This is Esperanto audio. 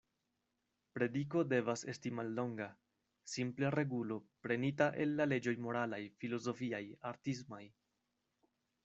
Prediko devas esti mallonga: simple regulo, prenita el la leĝoj moralaj, filozofiaj, artismaj.